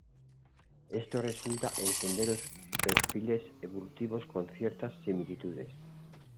Esto resulta en sendos perfiles evolutivos con ciertas similitudes.